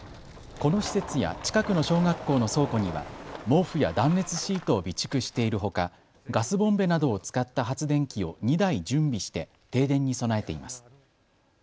この施設や近くの小学校の倉庫には毛布や断熱シートを備蓄しているほか、ガスボンベなどを使った発電機を２台準備して停電に備えています。